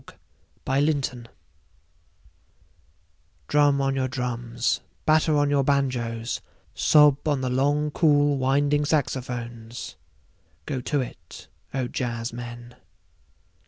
Jazz Fantasia DRUM on your drums, batter on your banjoes, sob on the long cool winding saxophones. Go to it, O jazzmen.